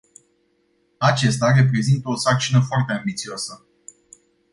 Acesta reprezintă o sarcină foarte ambițioasă.